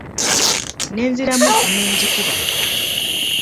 Nenziramu n'engikuba.